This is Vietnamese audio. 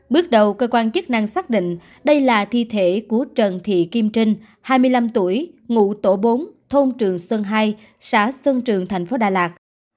bước đầu cơ quan chức năng xác định đây là thi thể của trần thị kim trinh hai mươi năm tuổi ngụ tổ bốn thôn trường sơn hai xã xuân trường thành phố đà lạt